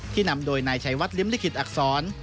นำโดยนายชัยวัดริมลิขิตอักษร